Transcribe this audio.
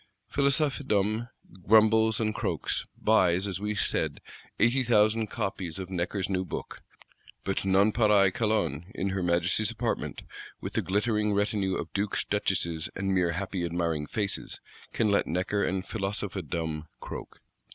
Philosophedom grumbles and croaks; buys, as we said, 80,000 copies of Necker's new Book: but Nonpareil Calonne, in her Majesty's Apartment, with the glittering retinue of Dukes, Duchesses, and mere happy admiring faces, can let Necker and Philosophedom croak.